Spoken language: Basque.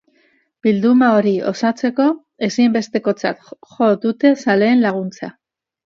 Bilduma hori osatzeko, ezinbestekotzat jo dute zaleen laguntza.